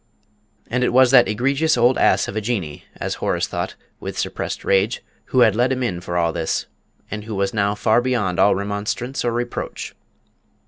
And it was that egregious old ass of a Jinnee, as Horace thought, with suppressed rage, who had let him in for all this, and who was now far beyond all remonstrance or reproach!